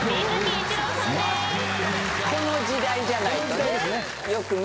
この時代じゃないとね。